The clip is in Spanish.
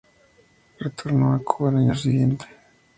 Retornó a Cuba el año siguiente.